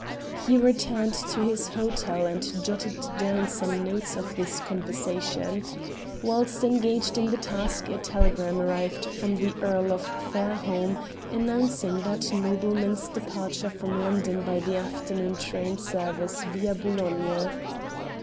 He returned to his hotel and jotted down some notes of this conversation. Whilst engaged in the task a telegram arrived from the Earl of Fairholme announcing that nobleman's departure from London by the afternoon train service via Boulogne.